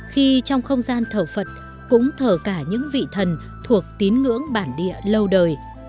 khi trong không gian thở phật cũng thở cả những vị thần thuộc tín ngưỡng bản địa lâu đời